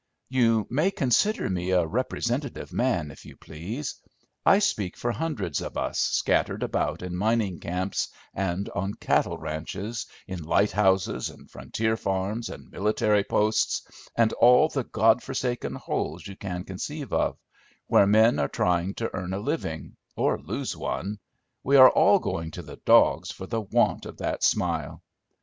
"You may consider me a representative man, if you please: I speak for hundreds of us scattered about in mining camps and on cattle ranches, in lighthouses and frontier farms and military posts, and all the Godforsaken holes you can conceive of, where men are trying to earn a living, or lose one, we are all going to the dogs for the want of that smile!